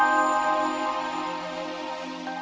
yeah siapa tahu siapa yang terbahak nya